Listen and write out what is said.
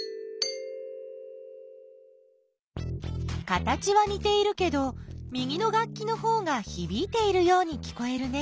形はにているけど右の楽器のほうがひびいているように聞こえるね。